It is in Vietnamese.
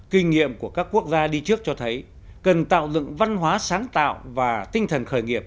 kinh nghiệm của các quốc gia đi trước cho thấy cần tạo dựng văn hóa sáng tạo và tinh thần khởi nghiệp